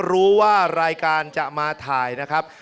รู้ว่ารายการจะมาถ่ายนะครับ